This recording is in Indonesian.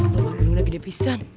bapak belum lagi depisan